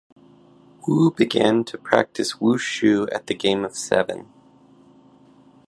Wu began to practice wushu at the game of seven.